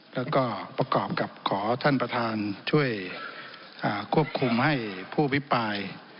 แล้วก็ประกอบกับขอท่านประธานช่วยควบคุมให้ผู้อภิปราย